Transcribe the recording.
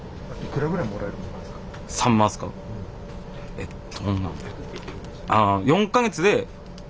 えっと。